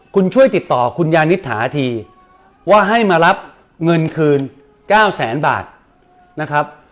คุณช่วยติดต่อคุณยานิษฐาทีว่าให้มารับเงินคืน๙แสนบาทนะครับ